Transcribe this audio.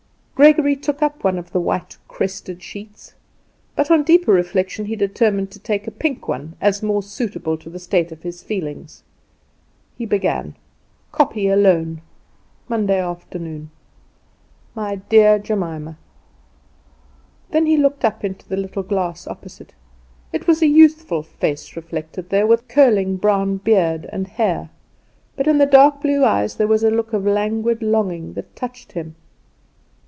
Gregory took up one of the white, crested sheets; but on deeper reflection he determined to take a pink one, as more suitable to the state of his feelings. He began: "Kopje Alone, "Monday afternoon. "My Dear Jemima " Then he looked up into the little glass opposite. It was a youthful face reflected there, with curling brown beard and hair; but in the dark blue eyes there was a look of languid longing that touched him.